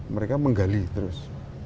mereka menggali terus